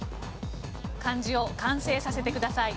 漢字を完成させてください。